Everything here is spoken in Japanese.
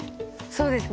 そうですね。